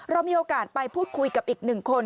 เรามีโอกาสไปพูดคุยกับอีกหนึ่งคน